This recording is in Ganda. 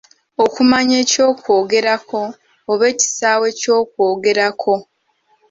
Okumanya eky’okwogerako oba ekisaawe ky’okwogerako.